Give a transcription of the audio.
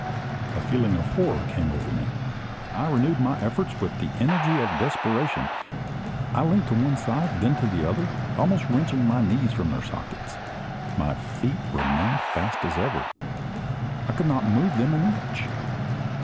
A feeling of horror came over me. I renewed my efforts with the energy of desperation. I leant to one side, then to the other, almost wrenching my knees from their sockets. My feet remained fast as ever. I could not move them an inch.